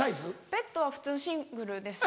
ベッドは普通シングルです。